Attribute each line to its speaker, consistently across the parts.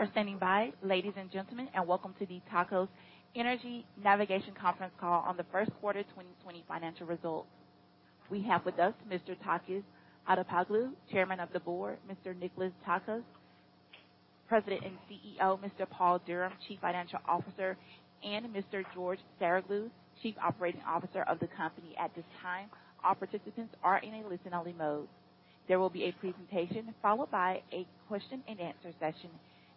Speaker 1: Thank you for standing by, ladies and gentlemen, and welcome to the Tsakos Energy Navigation conference call on the first quarter 2020 financial results. We have with us Mr. Takis Arapoglou, Chairman of the Board, Mr. Nikolas Tsakos, President and CEO, Mr. Paul Durham, Chief Financial Officer, and Mr. George Saroglou, Chief Operating Officer of the company. At this time, all participants are in a listen-only mode. There will be a presentation followed by a question and answer session.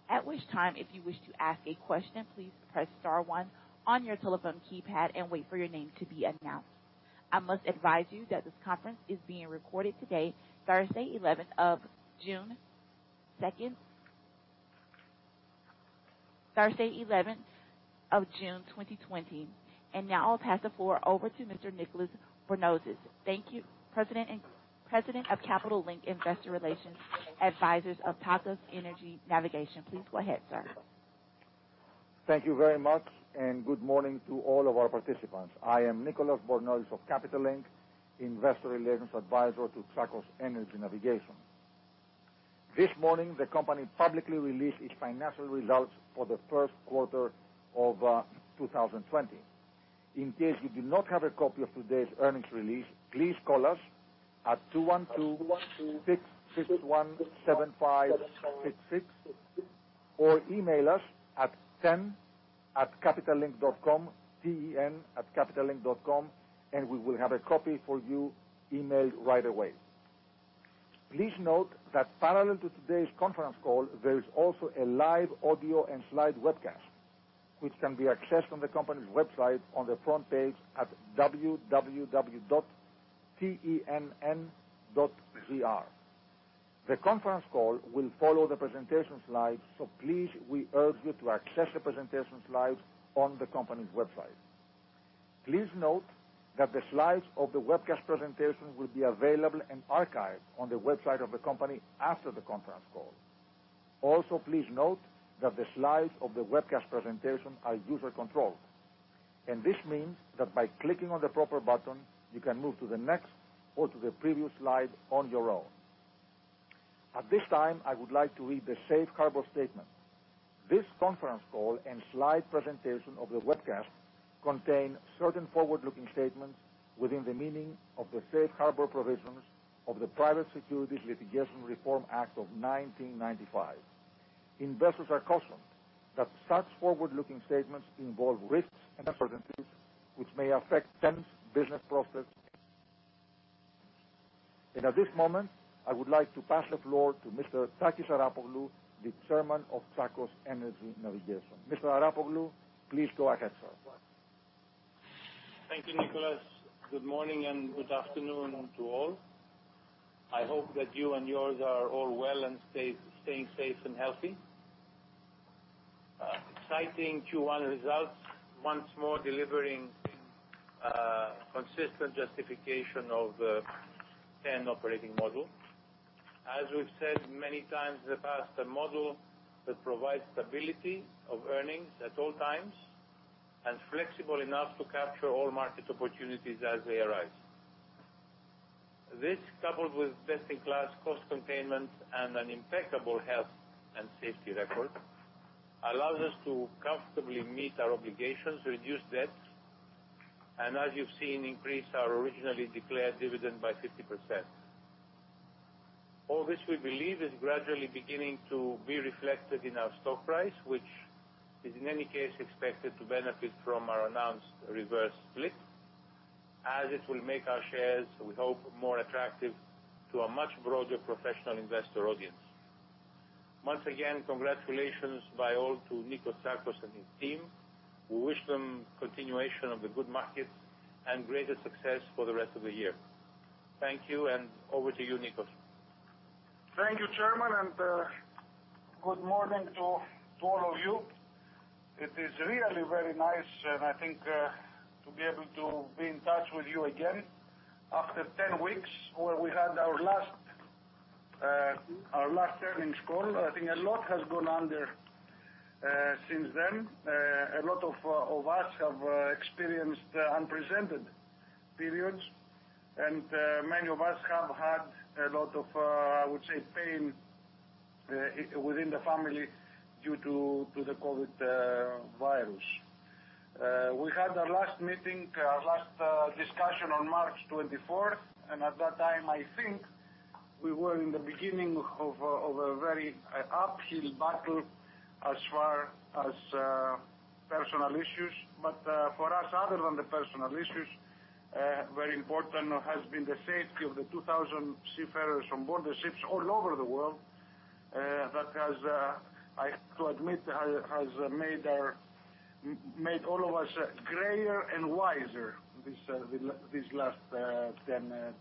Speaker 1: At which time, if you wish to ask a question, please press star one on your telephone keypad and wait for your name to be announced. I must advise you that this conference is being recorded today, Thursday, 11th of June 2020. Now I'll pass the floor over to Mr. Nicolas Bornozis. Thank you. President of Capital Link Investor Relations, advisors of Tsakos Energy Navigation. Please go ahead, sir.
Speaker 2: Thank you very much. Good morning to all of our participants. I am Nicolas Bornozis of Capital Link, investor relations advisor to Tsakos Energy Navigation. This morning, the company publicly released its financial results for the first quarter of 2020. In case you do not have a copy of today's earnings release, please call us at 212-661-7566 or email us at ten@capitallink.com, T-E-N@capitallink.com. We will have a copy for you emailed right away. Please note that parallel to today's conference call, there is also a live audio and slide webcast, which can be accessed on the company's website on the front page at www.tenn.gr. The conference call will follow the presentation slides. Please, we urge you to access the presentation slides on the company's website. Please note that the slides of the webcast presentation will be available and archived on the website of the company after the conference call. Please note that the slides of the webcast presentation are user-controlled. This means that by clicking on the proper button, you can move to the next or to the previous slide on your own. At this time, I would like to read the safe harbor statement. This conference call and slide presentation of the webcast contain certain forward-looking statements within the meaning of the safe harbor provisions of the Private Securities Litigation Reform Act of 1995. Investors are cautioned that such forward-looking statements involve risks and uncertainties, which may affect TEN's business process. At this moment, I would like to pass the floor to Mr. Takis Arapoglou, the chairman of Tsakos Energy Navigation. Mr. Arapoglou, please go ahead, sir.
Speaker 3: Thank you, Nikolas. Good morning and good afternoon to all. I hope that you and yours are all well and staying safe and healthy. Exciting Q1 results, once more delivering consistent justification of the TEN operating model. As we've said many times in the past, a model that provides stability of earnings at all times and flexible enough to capture all market opportunities as they arise. This, coupled with best-in-class cost containment and an impeccable health and safety record, allows us to comfortably meet our obligations, reduce debts, and as you've seen, increase our originally declared dividend by 50%. All this, we believe, is gradually beginning to be reflected in our stock price, which is in any case, expected to benefit from our announced reverse split, as it will make our shares, we hope, more attractive to a much broader professional investor audience. Once again, congratulations by all to Niko Tsakos and his team. We wish them continuation of the good markets and greater success for the rest of the year. Thank you, and over to you, Nikolas.
Speaker 4: Thank you, Chairman. Good morning to all of you. It is really very nice, I think, to be able to be in touch with you again after 10 weeks, where we had our last earnings call. I think a lot has gone on since then. A lot of us have experienced unprecedented periods, and many of us have had a lot of, I would say, pain within the family due to the COVID virus. We had our last meeting, our last discussion on March 24th. At that time, I think, we were in the beginning of a very uphill battle as far as personal issues. For us, other than the personal issues, very important has been the safety of the 2,000 seafarers on board the ships all over the world, that has, I have to admit, has made all of us grayer and wiser these last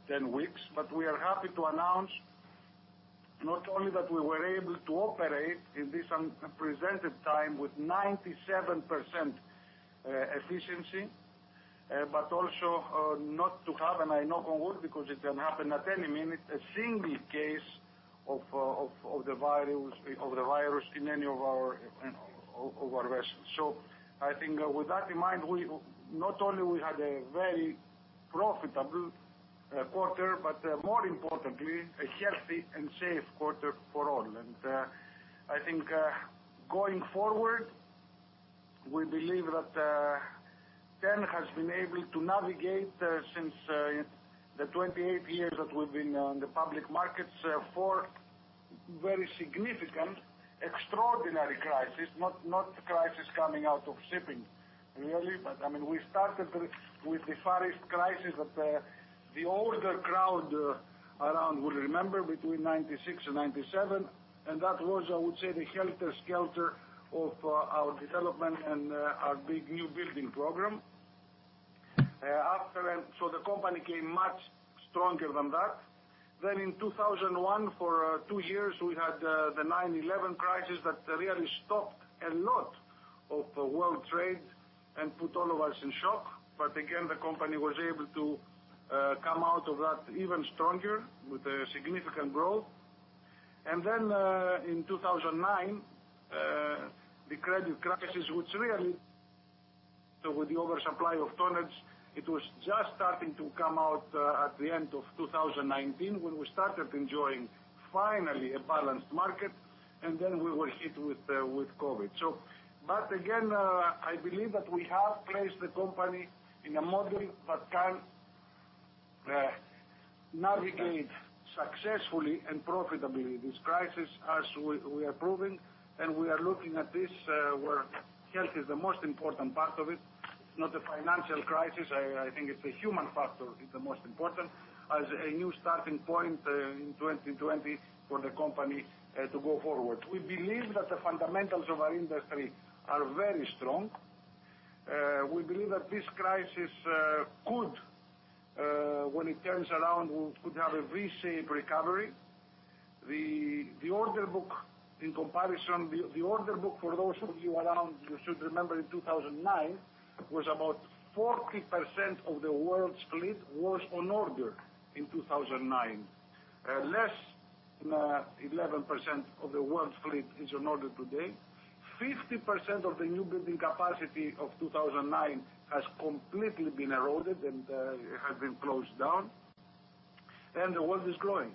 Speaker 4: 10 weeks. We are happy to announce not only that we were able to operate in this unprecedented time with 97% efficiency, but also not to have, and I knock on wood because it can happen at any minute, a single case of the virus in any of our vessels. I think with that in mind, not only we had a very profitable quarter, but more importantly, a healthy and safe quarter for all. I think going forward, we believe that TEN has been able to navigate, since the 28 years that we've been on the public markets, four very significant extraordinary crises, not crises coming out of shipping, really. We started with the Far East crisis that the older crowd around will remember between 1996 and 1997, and that was, I would say, the helter-skelter of our development and our big new building program. The company came much stronger than that. In 2001, for two years, we had the 9/11 crisis that really stopped a lot of world trade and put all of us in shock. Again, the company was able to come out of that even stronger with a significant growth. Then, in 2009, the credit crisis, which really with the oversupply of tonnage, it was just starting to come out at the end of 2019 when we started enjoying finally a balanced market, then we were hit with COVID. Again, I believe that we have placed the company in a model that can navigate successfully and profitably this crisis, as we are proving, and we are looking at this where health is the most important part of it. It's not a financial crisis. I think it's the human factor is the most important as a new starting point in 2020 for the company to go forward. We believe that the fundamentals of our industry are very strong. We believe that this crisis could, when it turns around, we could have a V-shape recovery. The order book for those of you around, you should remember in 2009 was about 40% of the world's fleet was on order in 2009. Less than 11% of the world's fleet is on order today. 50% of the new building capacity of 2009 has completely been eroded and has been closed down. The world is growing.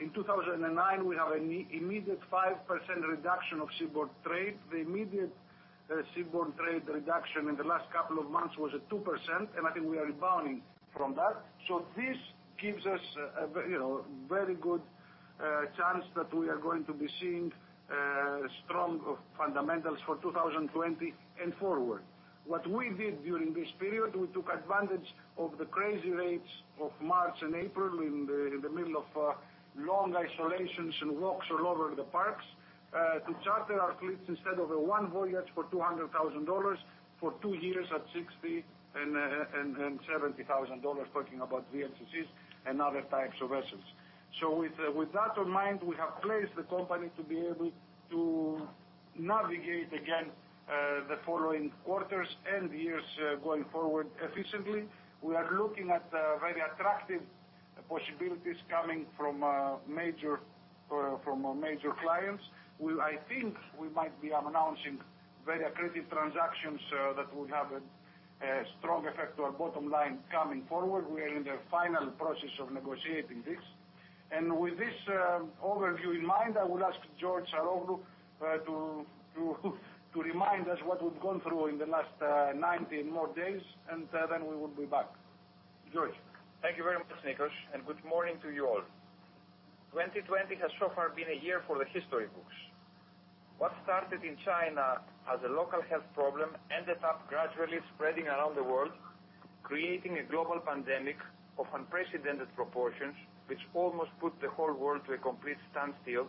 Speaker 4: In 2009, we had immediate 5% reduction of seaborne trade. The immediate seaborne trade reduction in the last couple of months was at 2%. I think we are rebounding from that. This gives us a very good chance that we are going to be seeing strong fundamentals for 2020 and forward. What we did during this period, we took advantage of the crazy rates of March and April in the middle of long isolations and walks all over the parks, to charter our fleets instead of a one voyage for $200,000 for two years at $60,000 and $70,000, talking about VLCCs and other types of vessels. With that in mind, we have placed the company to be able to navigate again, the following quarters and years going forward efficiently. We are looking at very attractive possibilities coming from major clients, who I think we might be announcing very accretive transactions that will have a strong effect to our bottom line coming forward. We are in the final process of negotiating this. With this overview in mind, I will ask George Saroglou to remind us what we've gone through in the last 90 and more days. Then we will be back. George?
Speaker 5: Thank you very much, Nikolas, and good morning to you all. 2020 has so far been a year for the history books. What started in China as a local health problem ended up gradually spreading around the world, creating a global pandemic of unprecedented proportions, which almost put the whole world to a complete standstill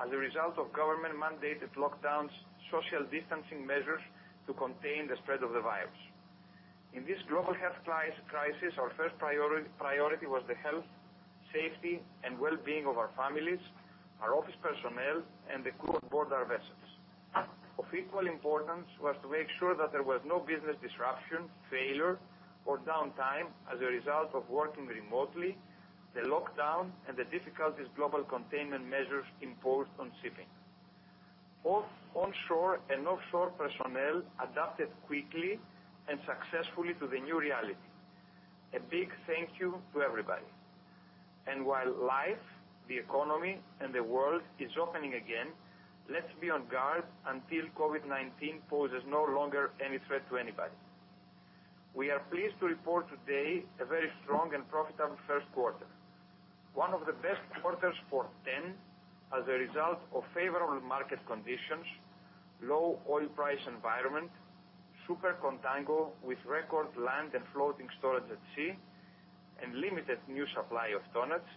Speaker 5: as a result of government-mandated lockdowns, social distancing measures to contain the spread of the virus. In this global health crisis, our first priority was the health, safety, and well-being of our families, our office personnel, and the crew on board our vessels. Of equal importance was to make sure that there was no business disruption, failure, or downtime as a result of working remotely, the lockdown, and the difficulties global containment measures imposed on shipping. Both onshore and offshore personnel adapted quickly and successfully to the new reality. A big thank you to everybody. While life, the economy, and the world is opening again, let's be on guard until COVID-19 poses no longer any threat to anybody. We are pleased to report today a very strong and profitable first quarter, one of the best quarters for TEN as a result of favorable market conditions, low oil price environment, super-contango with record land and floating storage at sea, and limited new supply of tonnage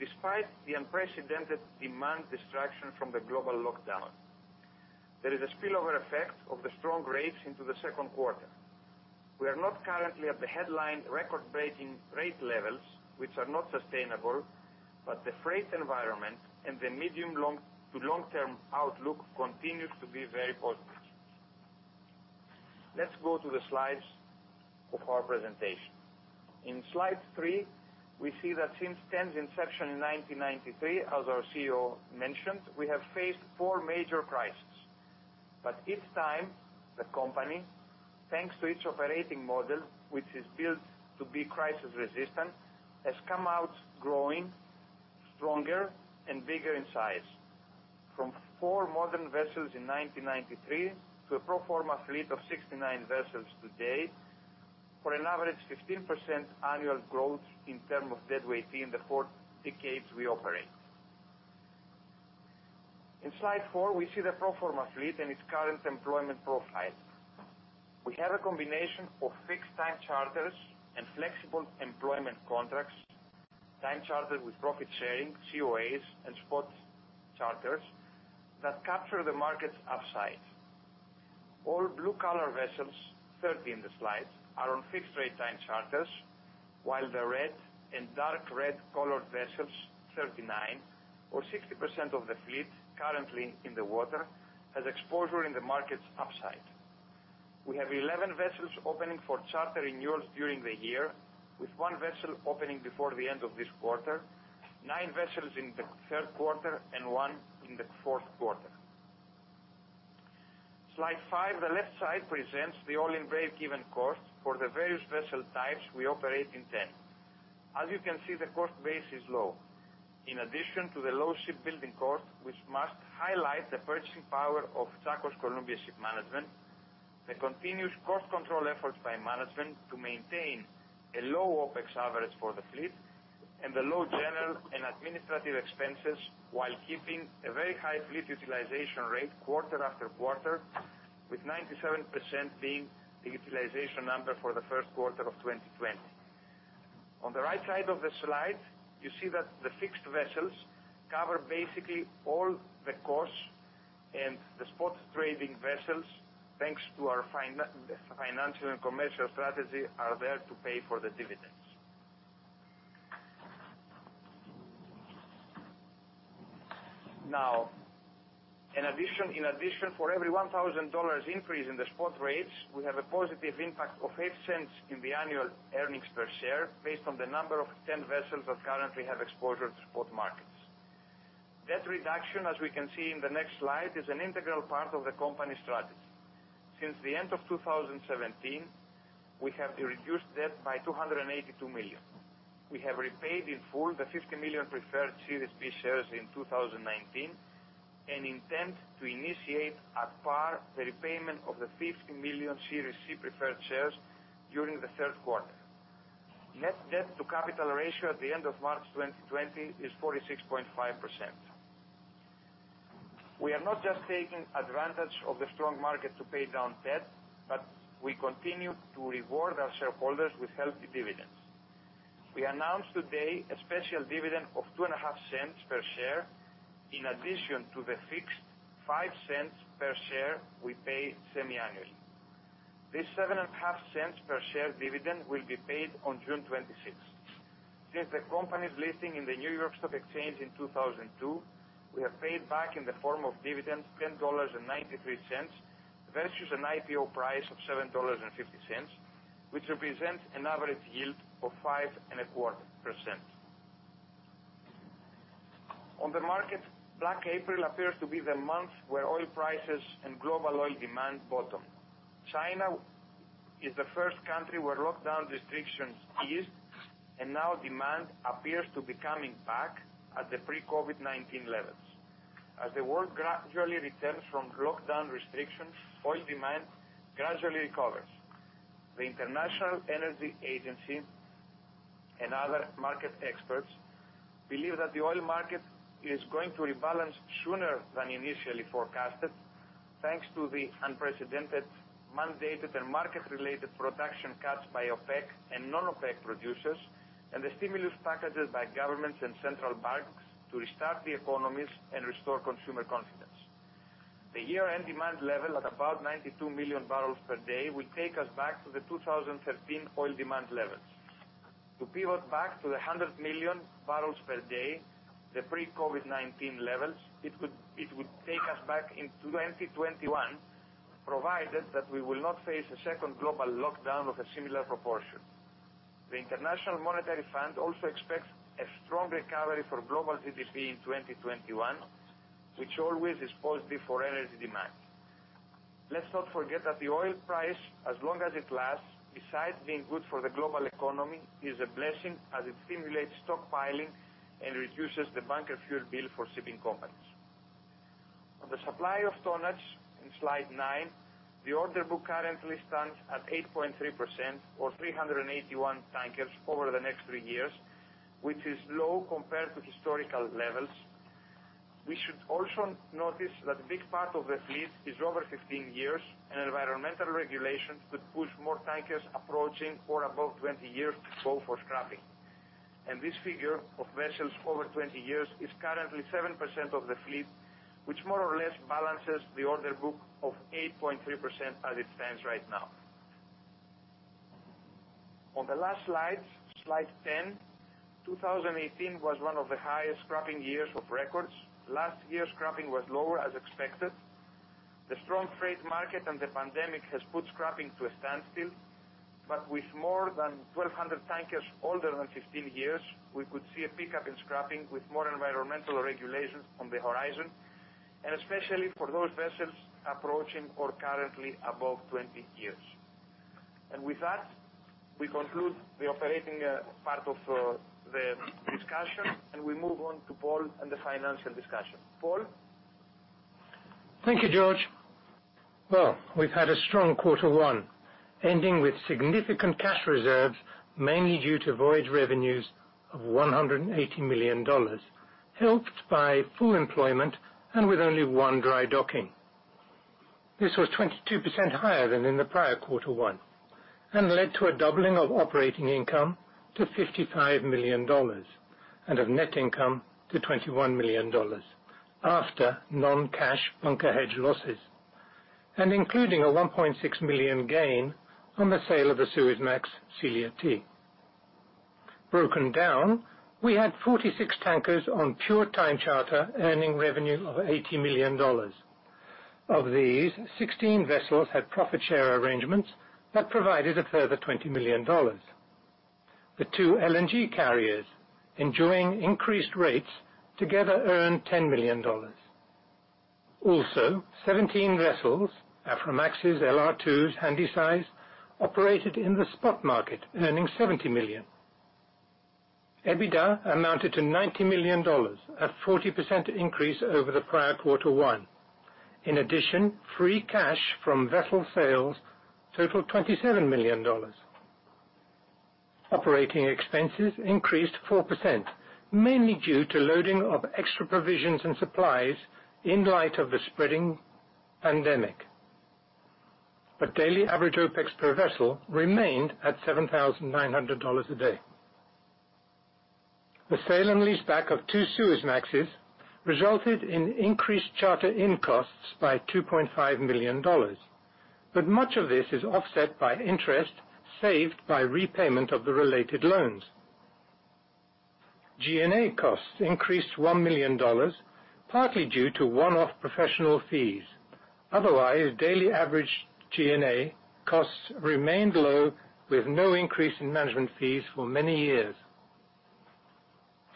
Speaker 5: despite the unprecedented demand destruction from the global lockdown. There is a spillover effect of the strong rates into the second quarter. We are not currently at the headline record-breaking rate levels, which are not sustainable, but the freight environment and the medium to long-term outlook continues to be very positive. Let's go to the slides of our presentation. In slide three, we see that since TEN's inception in 1993, as our CEO mentioned, we have faced four major crises. Each time, the company, thanks to its operating model, which is built to be crisis resistant, has come out growing stronger and bigger in size. From four modern vessels in 1993 to a pro forma fleet of 69 vessels today, for an average 15% annual growth in term of deadweight in the four decades we operate. In slide four, we see the pro forma fleet and its current employment profile. We have a combination of fixed time charters and flexible employment contracts, time charter with profit sharing, COAs, and spot charters that capture the market's upside. All blue colored vessels, 30 in the slide, are on fixed rate time charters, while the red and dark red colored vessels, 39, or 60% of the fleet currently in the water, has exposure in the market's upside. We have 11 vessels opening for charter renewals during the year, with one vessel opening before the end of this quarter, nine vessels in the third quarter, and one in the fourth quarter. Slide five. The left side presents the all-in break-even cost for the various vessel types we operate in TEN. As you can see, the cost base is low. In addition to the low shipbuilding cost, which must highlight the purchasing power of Tsakos Columbia Shipmanagement, the continuous cost control efforts by management to maintain a low OPEX average for the fleet, and the low general and administrative expenses while keeping a very high fleet utilization rate quarter after quarter, with 97% being the utilization number for the first quarter of 2020. On the right side of the slide, you see that the fixed vessels cover basically all the costs and the spot trading vessels, thanks to our financial and commercial strategy, are there to pay for the dividends. In addition, for every $1,000 increase in the spot rates, we have a positive impact of $0.08 in the annual earnings per share, based on the number of 10 vessels that currently have exposure to spot markets. Debt reduction, as we can see in the next slide, is an integral part of the company strategy. Since the end of 2017, we have reduced debt by $282 million. We have repaid in full the $50 million preferred Series B shares in 2019, and intend to initiate at par the repayment of the $50 million Series C preferred shares during the third quarter. Net debt to capital ratio at the end of March 2020 is 46.5%. We are not just taking advantage of the strong market to pay down debt, but we continue to reward our shareholders with healthy dividends. We announce today a special dividend of $0.025 per share in addition to the fixed $0.05 per share we pay semi-annually. This $0.075 per share dividend will be paid on June 26th. Since the company's listing in the New York Stock Exchange in 2002, we have paid back in the form of dividends $10.93, versus an IPO price of $7.50, which represents an average yield of 5.25%. On the market, black April appears to be the month where oil prices and global oil demand bottom. China is the first country where lockdown restrictions eased, and now demand appears to be coming back at the pre-COVID-19 levels. As the world gradually returns from lockdown restrictions, oil demand gradually recovers. The International Energy Agency and other market experts believe that the oil market is going to rebalance sooner than initially forecasted, thanks to the unprecedented mandated and market-related production cuts by OPEC and non-OPEC producers, and the stimulus packages by governments and central banks to restart the economies and restore consumer confidence. The year-end demand level at about 92 million barrels per day will take us back to the 2013 oil demand levels. To pivot back to the 100 million barrels per day, the pre-COVID-19 levels, it would take us back in 2021, provided that we will not face a second global lockdown of a similar proportion. The International Monetary Fund also expects a strong recovery for global GDP in 2021, which always is positive for energy demand. Let's not forget that the oil price, as long as it lasts, besides being good for the global economy, is a blessing as it stimulates stockpiling and reduces the bunker fuel bill for shipping companies. On the supply of tonnage in slide nine, the order book currently stands at 8.3%, or 381 tankers over the next three years, which is low compared to historical levels. We should also notice that a big part of the fleet is over 15 years. Environmental regulations could push more tankers approaching or above 20 years to go for scrapping. This figure of vessels over 20 years is currently 7% of the fleet, which more or less balances the order book of 8.3% as it stands right now. On the last slide 10, 2018 was one of the highest scrapping years of records. Last year, scrapping was lower as expected. The strong freight market and the pandemic has put scrapping to a standstill. With more than 1,200 tankers older than 15 years, we could see a pickup in scrapping with more environmental regulations on the horizon, especially for those vessels approaching or currently above 20 years. With that, we conclude the operating part of the discussion, we move on to Paul and the financial discussion. Paul?
Speaker 6: Thank you, George. Well, we've had a strong quarter one, ending with significant cash reserves, mainly due to voyage revenues of $180 million, helped by full employment and with only one dry docking. This was 22% higher than in the prior quarter one, and led to a doubling of operating income to $55 million, and of net income to $21 million, after non-cash bunker hedge losses, and including a $1.6 million gain on the sale of the Suezmax Silia T. Broken down, we had 46 tankers on pure time charter earning revenue of $80 million. Of these, 16 vessels had profit share arrangements that provided a further $20 million. The two LNG carriers, enjoying increased rates, together earned $10 million. Also, 17 vessels, Aframaxes, LR2s, Handysize, operated in the spot market, earning $70 million. EBITDA amounted to $90 million, a 40% increase over the prior quarter one. In addition, free cash from vessel sales totaled $27 million. Operating expenses increased 4%, mainly due to loading of extra provisions and supplies in light of the spreading pandemic. Daily average OPEX per vessel remained at $7,900 a day. The sale and leaseback of two Suezmaxes resulted in increased charter in costs by $2.5 million. Much of this is offset by interest saved by repayment of the related loans. G&A costs increased $1 million, partly due to one-off professional fees. Otherwise, daily average G&A costs remained low, with no increase in management fees for many years.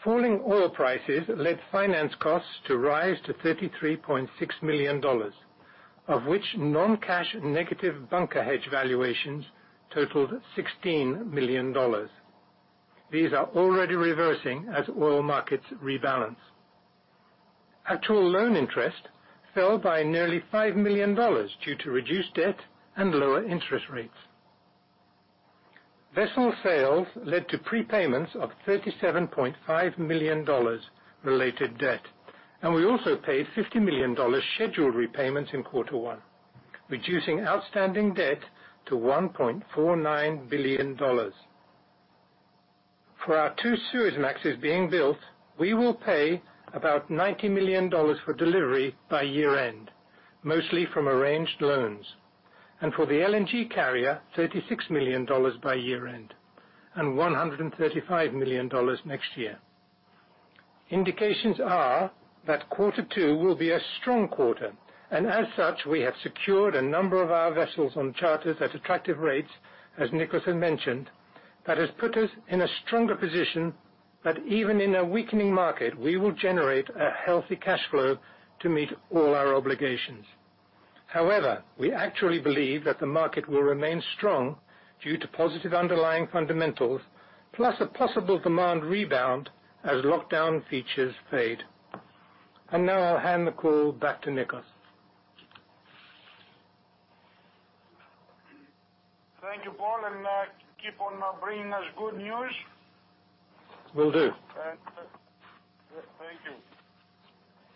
Speaker 6: Falling oil prices led finance costs to rise to $33.6 million, of which non-cash negative bunker hedge valuations totaled $16 million. These are already reversing as oil markets rebalance. Actual loan interest fell by nearly $5 million due to reduced debt and lower interest rates. Vessel sales led to prepayments of $37.5 million related debt. We also paid $50 million scheduled repayments in quarter one, reducing outstanding debt to $1.49 billion. For our two Suezmaxes being built, we will pay about $90 million for delivery by year-end, mostly from arranged loans. For the LNG carrier, $36 million by year-end, and $135 million next year. Indications are that quarter two will be a strong quarter. As such, we have secured a number of our vessels on charters at attractive rates, as Nikolas had mentioned, that has put us in a stronger position that even in a weakening market, we will generate a healthy cash flow to meet all our obligations. We actually believe that the market will remain strong due to positive underlying fundamentals, plus a possible demand rebound as lockdown features fade. Now I'll hand the call back to Nikolas.
Speaker 4: Thank you, Paul, and keep on bringing us good news.
Speaker 6: Will do.
Speaker 4: Thank you.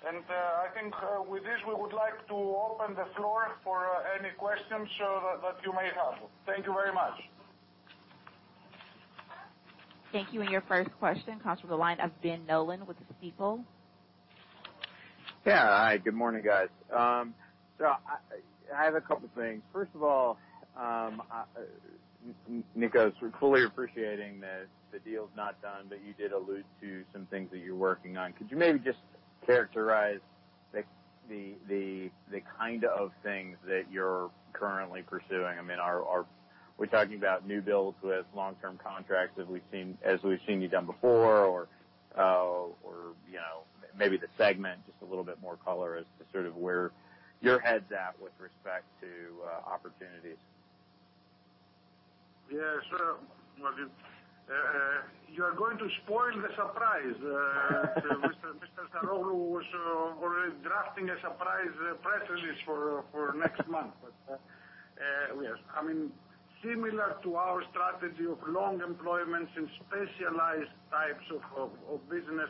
Speaker 4: I think with this, we would like to open the floor for any questions that you may have. Thank you very much.
Speaker 1: Thank you. Your first question comes from the line of Ben Nolan with Stifel.
Speaker 7: Yeah. Hi, good morning, guys. I have a couple things. First of all, Nikolas, we're fully appreciating that the deal's not done, but you did allude to some things that you're working on. Could you maybe just characterize the kind of things that you're currently pursuing? Are we talking about new builds with long-term contracts, as we've seen you done before? Maybe the segment, just a little bit more color as to sort of where your head's at with respect to opportunities.
Speaker 4: Yes. You're going to spoil the surprise. Mr. Saroglou was already drafting a surprise press release for next month. Yes. Similar to our strategy of long employments in specialized types of business,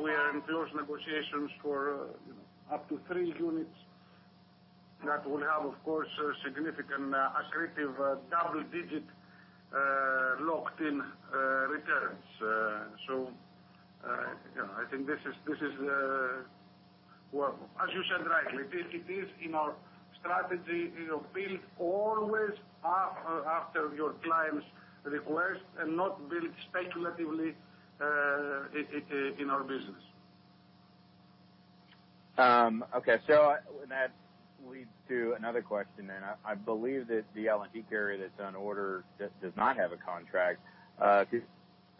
Speaker 4: we are in close negotiations for up to three units that will have, of course, significant accretive double-digit locked-in returns. Well, as you said rightly, it is in our strategy to build always after your client's request and not build speculatively in our business.
Speaker 7: Okay. That leads to another question then. I believe that the LNG carrier that's on order does not have a contract. Just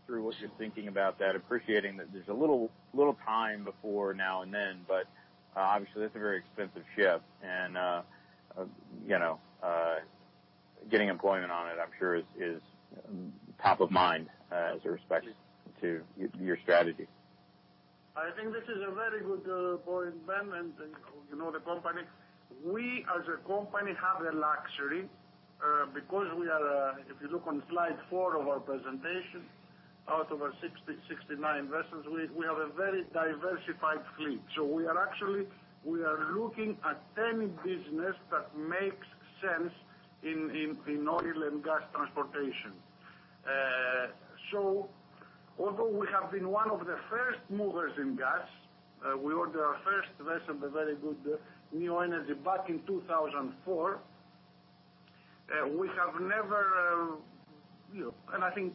Speaker 7: curious what you're thinking about that, appreciating that there's a little time before now and then, but obviously that's a very expensive ship, and getting employment on it, I'm sure is top of mind as it respects to your strategy.
Speaker 4: I think this is a very good point, Ben, and you know the company. We as a company have the luxury because if you look on slide four of our presentation, out of our 69 vessels, we have a very diversified fleet. We are looking at any business that makes sense in oil and gas transportation. Although we have been one of the first movers in gas, we ordered our first vessel, the very good Neo Energy back in 2004. I think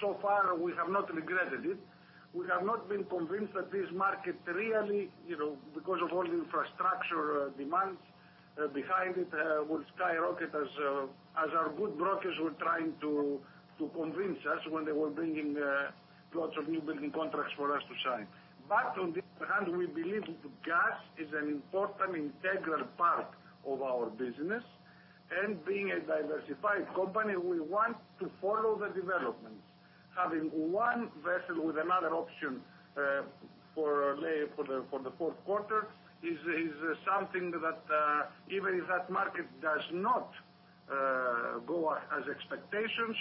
Speaker 4: so far we have not regretted it. We have not been convinced that this market really, because of all the infrastructure demands behind it, will skyrocket as our good brokers were trying to convince us when they were bringing lots of new building contracts for us to sign. On the other hand, we believe that gas is an important, integral part of our business. Being a diversified company, we want to follow the developments. Having one vessel with another option for the fourth quarter is something that even if that market does not go as expectations,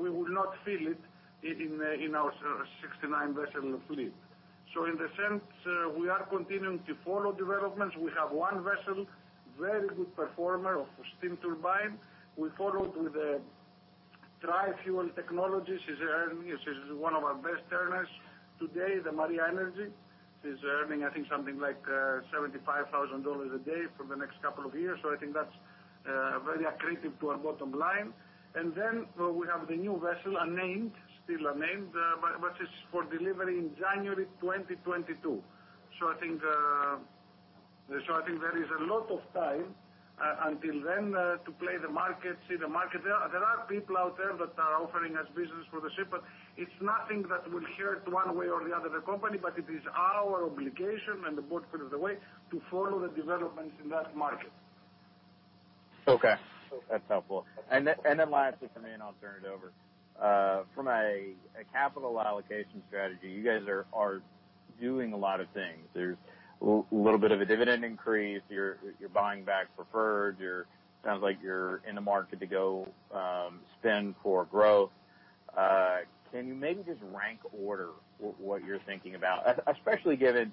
Speaker 4: we will not feel it in our 69-vessel fleet. In the sense, we are continuing to follow developments. We have one vessel, very good performer of steam turbine. We followed with a tri-fuel technology. She's one of our best earners today, the Maria Energy. She's earning, I think, something like $75,000 a day for the next couple of years. I think that's very accretive to our bottom line. We have the new vessel, still unnamed, but which is for delivery in January 2022. I think there is a lot of time until then to play the market, see the market there. There are people out there that are offering us business for the ship. It's nothing that will hurt one way or the other the company. It is our obligation and the board put it the way, to follow the developments in that market.
Speaker 7: Okay. That's helpful. Lastly from me, and I'll turn it over. From a capital allocation strategy, you guys are doing a lot of things. There's a little bit of a dividend increase. You're buying back preferred. Sounds like you're in the market to go spend for growth. Can you maybe just rank order what you're thinking about? Especially given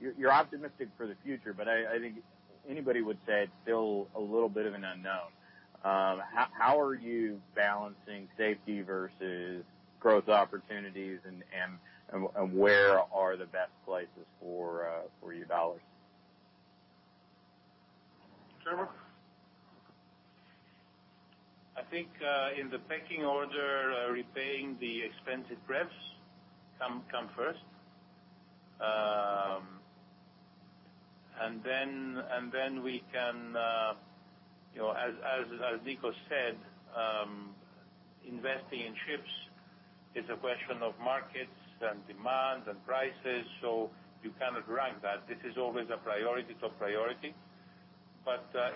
Speaker 7: you're optimistic for the future, but I think anybody would say it's still a little bit of an unknown. How are you balancing safety versus growth opportunities and where are the best places for your dollars?
Speaker 4: Gerber?
Speaker 3: I think, in the pecking order, repaying the expensive pref's come first. We can, as Nikolas said, investing in ships is a question of markets and demand and prices, so you cannot rank that. This is always a priority.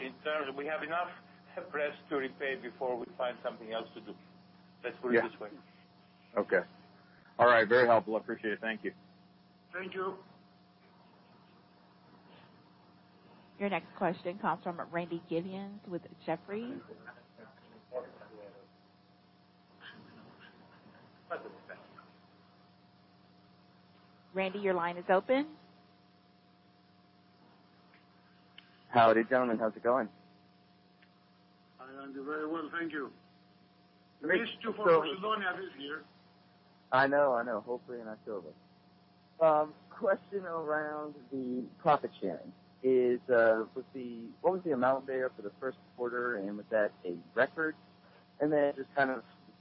Speaker 3: In terms, we have enough pref's to repay before we find something else to do. Let's put it this way.
Speaker 7: Okay. All right. Very helpful. Appreciate it. Thank you.
Speaker 4: Thank you.
Speaker 1: Your next question comes from Randy Giveans with Jefferies. Randy, your line is open.
Speaker 8: Howdy, gentlemen. How's it going?
Speaker 4: Hi, Randy. Very well. Thank you.
Speaker 8: So-
Speaker 4: For the loan that is here.
Speaker 8: I know. Hopefully in October. Question around the profit sharing. What was the amount there for the first quarter, and was that a record? Just to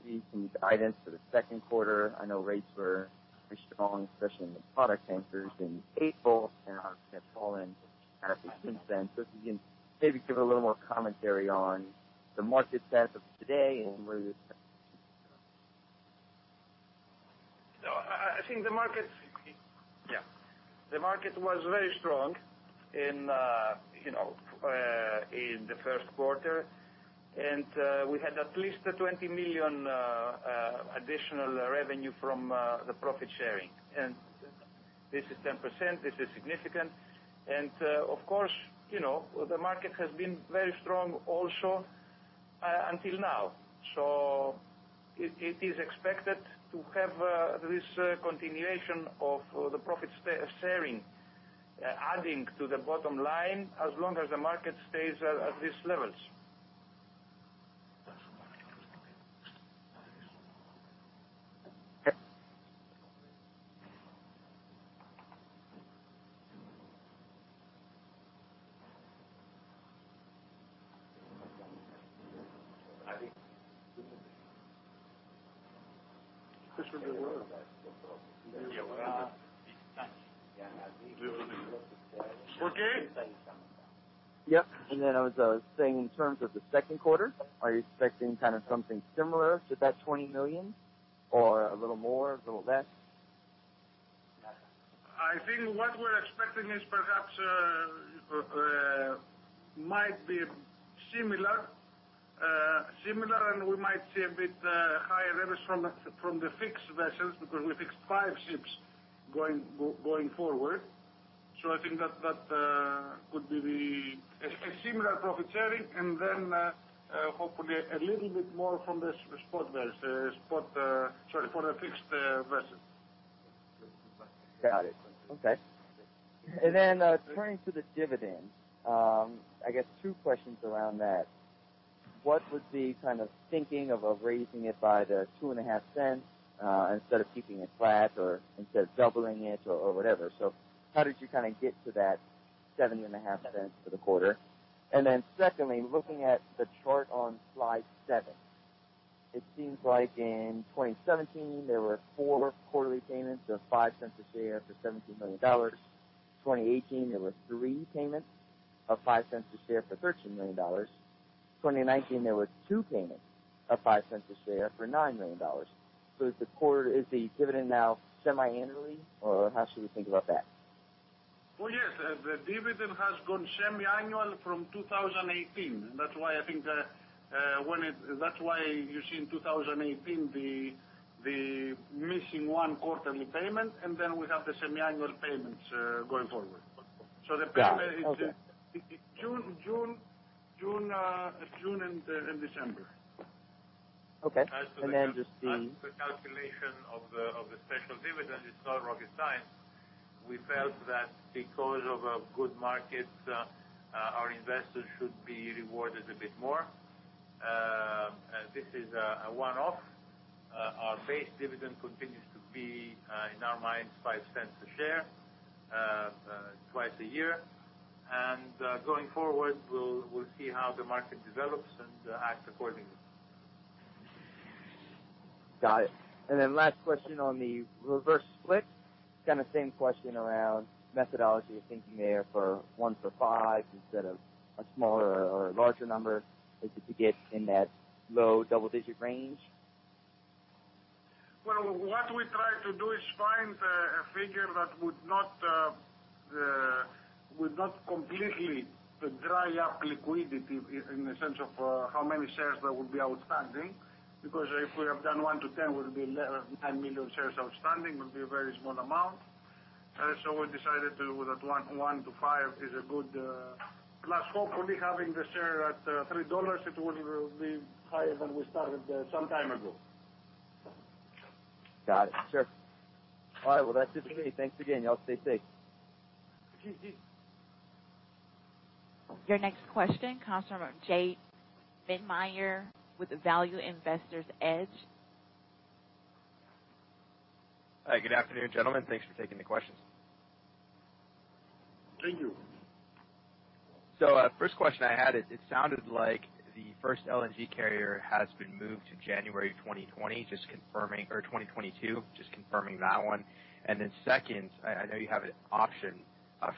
Speaker 8: see some guidance for the second quarter. I know rates were pretty strong, especially in the product tankers in April, and have fallen drastically since then. If you can maybe give a little more commentary on the market as of today and where this stands.
Speaker 4: I think the.
Speaker 3: Yeah.
Speaker 4: The market was very strong in the first quarter. We had at least a $20 million additional revenue from the profit sharing. This is 10%, this is significant. Of course, the market has been very strong also until now. It is expected to have this continuation of the profit sharing adding to the bottom line as long as the market stays at these levels. I think.
Speaker 8: Yep. Then I was saying in terms of the second quarter, are you expecting something similar to that $20 million or a little more, a little less?
Speaker 4: I think what we're expecting is perhaps might be similar, we might see a bit higher revenues from the fixed vessels because we fixed five ships going forward. I think that could be a similar profit sharing and then, hopefully, a little bit more from the spot vessels, sorry for the fixed vessels.
Speaker 8: Got it. Okay. Turning to the dividend. I guess two questions around that. What was the thinking of raising it by the $0.025, instead of keeping it flat or instead of doubling it or whatever. How did you get to that $0.705 for the quarter? Secondly, looking at the chart on slide seven, it seems like in 2017, there were four quarterly payments of $0.05 a share for $17 million. 2018, there were three payments of $0.05 a share for $13 million. 2019, there were two payments of $0.05 a share for $9 million. Is the dividend now semi-annually, or how should we think about that?
Speaker 4: Oh, yes. The dividend has gone semi-annual from 2018. That's why you see in 2018 the missing one quarterly payment, and then we have the semi-annual payments going forward.
Speaker 8: Got it. Okay.
Speaker 4: June and December.
Speaker 8: Okay.
Speaker 3: As to the calculation of the special dividend, it's not rocket science. We felt that because of a good market, our investors should be rewarded a bit more. This is a one-off. Our base dividend continues to be, in our minds, $0.05 a share, twice a year. Going forward, we'll see how the market develops and act accordingly.
Speaker 8: Got it. Last question on the reverse split. Same question around methodology of thinking there for one for five instead of a smaller or larger number as you get in that low double-digit range.
Speaker 4: Well, what we try to do is find a figure that would not completely dry up liquidity in the sense of how many shares that would be outstanding because if we have done one to 10, it would be nine million shares outstanding, would be a very small amount. We decided one to five is good. Plus hopefully having the share at $3 it will be higher than we started some time ago.
Speaker 8: Got it. Sure. All right. Well, that's it for me. Thanks again. You all stay safe.
Speaker 1: Your next question comes from J Mintzmyer with Value Investor's Edge.
Speaker 9: Hi. Good afternoon, gentlemen. Thanks for taking the questions.
Speaker 4: Thank you.
Speaker 9: First question I had is, it sounded like the first LNG carrier has been moved to January 2020. Just confirming or 2022, just confirming that one. Second, I know you have an option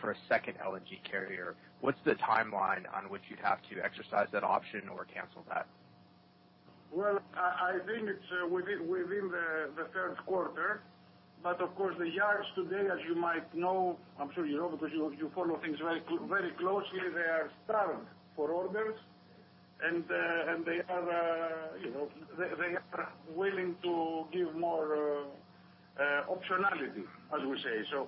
Speaker 9: for a second LNG carrier. What's the timeline on which you'd have to exercise that option or cancel that?
Speaker 4: I think it's within the third quarter, but of course, the yards today, as you might know, I'm sure you know because you follow things very closely, they are starved for orders and they are willing to give more optionality, as we say.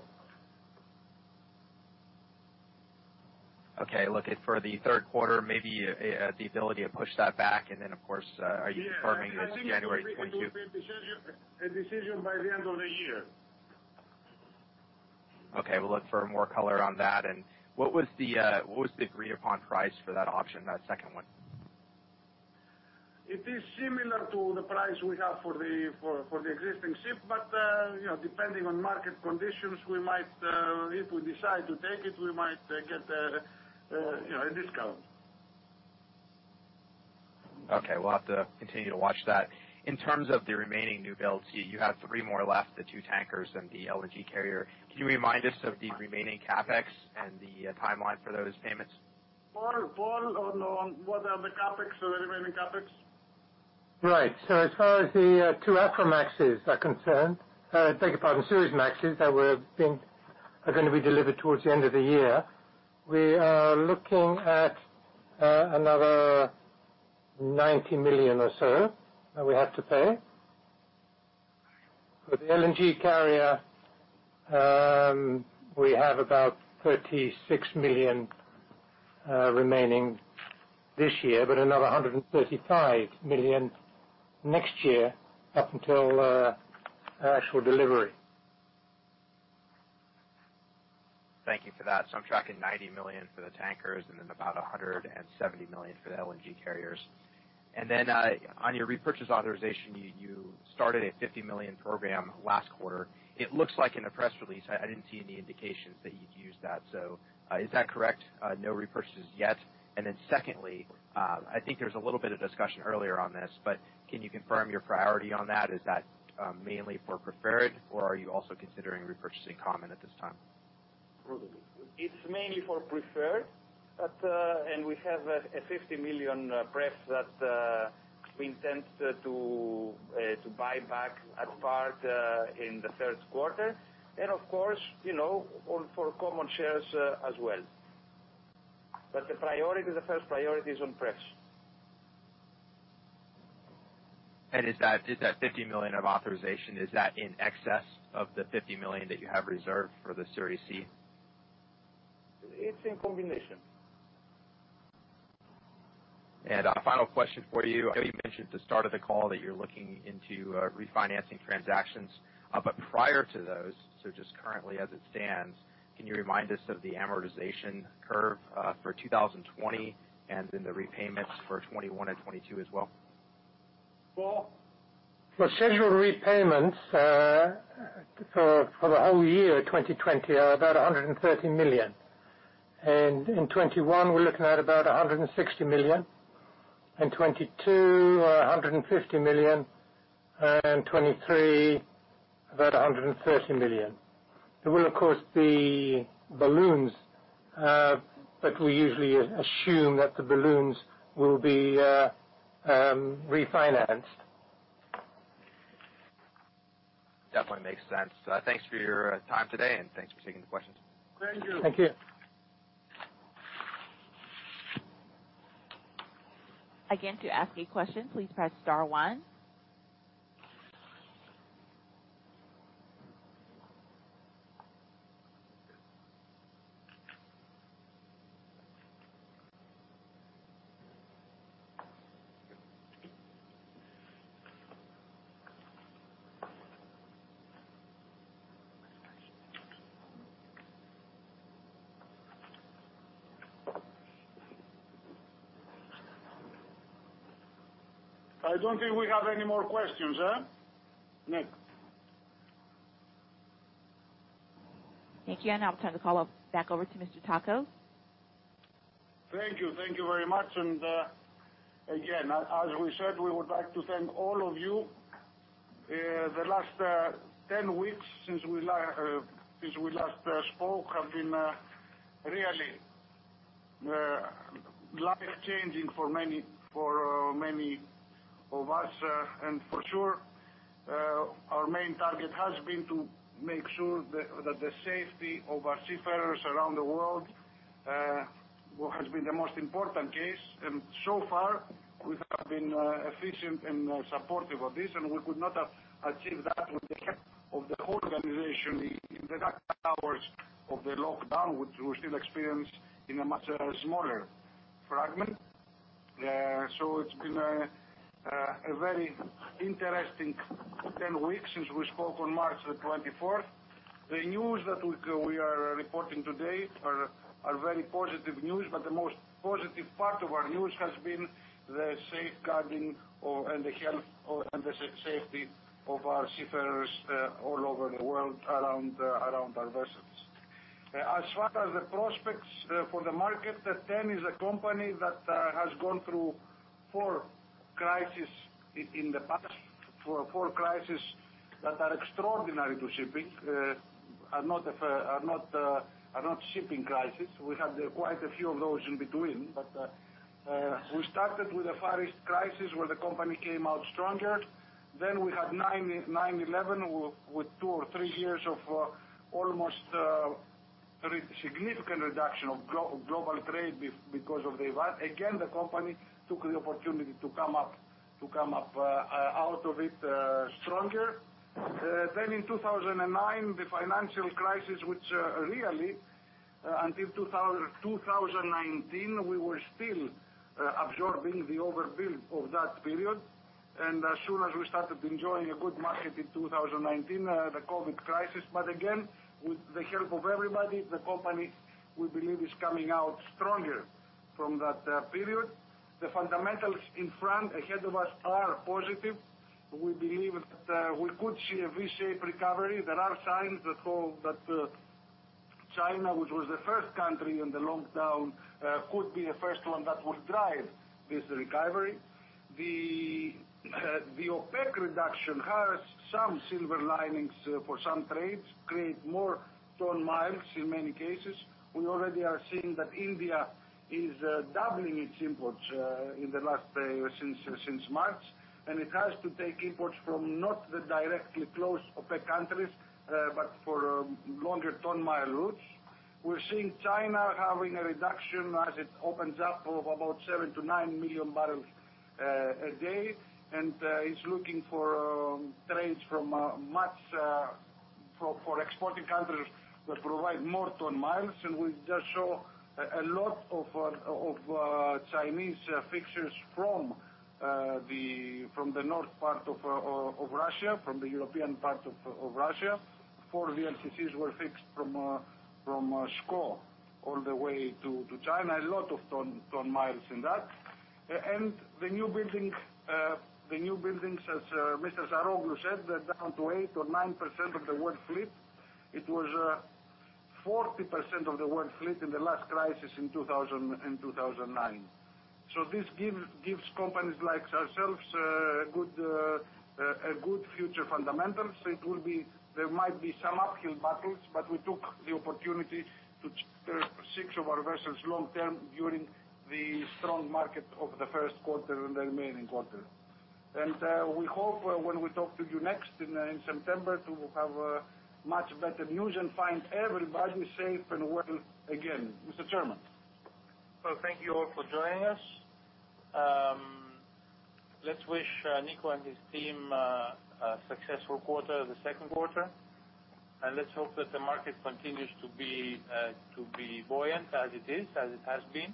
Speaker 9: Okay. Looking for the third quarter, maybe the ability to push that back, and then, of course, are you confirming this January 2022?
Speaker 4: I think it will be a decision by the end of the year.
Speaker 9: Okay. We'll look for more color on that. What was the agreed-upon price for that option, that second one?
Speaker 4: It is similar to the price we have for the existing ship, but depending on market conditions, if we decide to take it, we might get a discount.
Speaker 9: Okay. We'll have to continue to watch that. In terms of the remaining new builds, you have three more left, the two tankers and the LNG carrier. Can you remind us of the remaining CapEx and the timeline for those payments?
Speaker 4: Paul, what are the remaining CapEx?
Speaker 6: Right. As far as the two Aframaxes are concerned, beg your pardon, Suezmaxes that were going to be delivered towards the end of the year. We are looking at another $90 million or so that we have to pay. For the LNG carrier, we have about $36 million remaining this year, but another $135 million next year up until actual delivery.
Speaker 9: Thank you for that. I'm tracking $90 million for the tankers, and then about $170 million for the LNG carriers. On your repurchase authorization, you started a $50 million program last quarter. It looks like in the press release, I didn't see any indications that you'd used that. Is that correct? No repurchases yet. Secondly, I think there was a little bit of discussion earlier on this, but can you confirm your priority on that? Is that mainly for preferred, or are you also considering repurchasing common at this time?
Speaker 4: It's mainly for preferred, we have a $50 million pref that we intend to buy back as part in the third quarter. Of course, for common shares as well. The first priority is on pref.
Speaker 9: Is that $50 million of authorization, is that in excess of the $50 million that you have reserved for the Series C?
Speaker 4: It's in combination.
Speaker 9: A final question for you. I know you mentioned at the start of the call that you're looking into refinancing transactions, but prior to those, so just currently as it stands, can you remind us of the amortization curve for 2020 and then the repayments for 2021 and 2022 as well?
Speaker 4: Well, for scheduled repayments for the whole year 2020 are about $130 million. In 2021, we're looking at about $160 million, in 2022, $150 million, and 2023, about $130 million. There will, of course, be balloons, but we usually assume that the balloons will be refinanced.
Speaker 9: Definitely makes sense. Thanks for your time today. Thanks for taking the questions.
Speaker 4: Thank you.
Speaker 3: Thank you.
Speaker 1: Again, to ask a question, please press star one.
Speaker 4: I don't think we have any more questions. Next.
Speaker 1: Thank you. I now turn the call back over to Mr. Tsakos.
Speaker 4: Thank you. Thank you very much. Again, as we said, we would like to thank all of you. The last 10 weeks since we last spoke have been really life changing for many of us. For sure, our main target has been to make sure that the safety of our seafarers around the world has been the most important case. So far, we have been efficient and supportive of this, and we could not have achieved that without the help of the whole organization in the dark hours of the lockdown, which we still experience in a much smaller fragment. It's been a very interesting 10 weeks since we spoke on March 24th. The news that we are reporting today are very positive news. The most positive part of our news has been the safeguarding and the health and the safety of our seafarers all over the world around our vessels. As far as the prospects for the market, TEN is a company that has gone through four crises in the past, four crises that are extraordinary to shipping, are not shipping crises. We had quite a few of those in between. We started with a Far East crisis, where the company came out stronger. We had 9/11 with two or three years of almost significant reduction of global trade because of the event. Again, the company took the opportunity to come up out of it stronger. In 2009, the financial crisis, which really, until 2019, we were still absorbing the overbuild of that period. As soon as we started enjoying a good market in 2019, the COVID crisis. Again, with the help of everybody, the company, we believe, is coming out stronger from that period. The fundamentals in front, ahead of us are positive. We believe that we could see a V-shaped recovery. There are signs that China, which was the first country in the lockdown, could be the first one that would drive this recovery. The OPEC reduction has some silver linings for some trades, create more ton miles in many cases. We already are seeing that India is doubling its imports since March, and it has to take imports from not the directly close OPEC countries, but for longer ton mile routes. We're seeing China having a reduction as it opens up of about 7 million-9 million barrels a day and is looking for trades for exporting countries that provide more ton miles. We just show a lot of Chinese fixtures from the north part of Russia, from the European part of Russia. Four VLCCs were fixed from Skaw all the way to China, a lot of ton miles in that. The new buildings, as Mr. Saroglou said, they're down to 8% or 9% of the world fleet. It was 40% of the world fleet in the last crisis in 2009. This gives companies like ourselves good future fundamentals. There might be some uphill battles, but we took the opportunity to secure six of our vessels long-term during the strong market of the first quarter and the remaining quarter. We hope when we talk to you next in September to have much better news and find everybody safe and well again. Mr. Chairman.
Speaker 3: Well, thank you all for joining us. Let's wish Nikolas and his team a successful quarter, the second quarter, and let's hope that the market continues to be buoyant as it is, as it has been.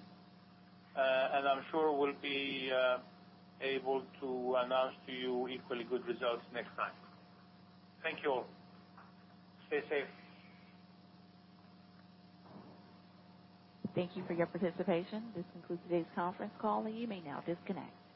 Speaker 3: I'm sure we'll be able to announce to you equally good results next time. Thank you all. Stay safe.
Speaker 1: Thank you for your participation. This concludes today's conference call, and you may now disconnect.